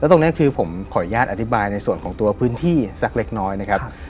ตรงนี้คือผมขออนุญาตอธิบายในส่วนของตัวพื้นที่สักเล็กน้อยนะครับ